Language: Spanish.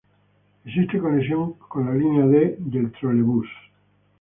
Existe conexión con la línea D del Trolebús.